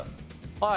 はい。